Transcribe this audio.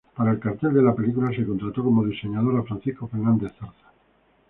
Para el cartel de la película se contrató como diseñador a Francisco Fernández Zarza.